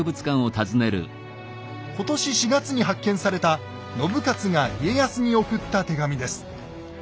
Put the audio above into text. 今年４月に発見された信雄が家康に送った手紙です。